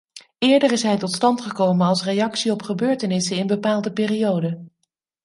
Eerder is hij tot stand gekomen als reactie op gebeurtenissen in bepaalde perioden.